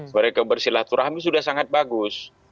mereka bersilaturahmi sudah sangat bagus